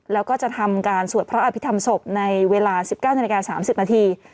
แล้วก็จะทำการสวดพระอภิษฐรรมศพในเวลา๑๙นาฬิกา๓๐นาที